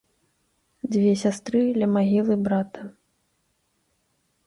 Дзве сястры ля магілы брата.